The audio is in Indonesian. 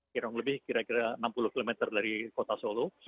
kira kira lebih enam puluh km dari kota solo